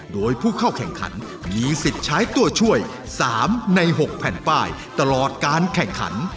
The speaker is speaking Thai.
โดยผู้เข้าแข่งขันมีสิทธิ์ใช้ตัวช่วย๓ใน๖แผ่นป้ายตลอดการแข่งขัน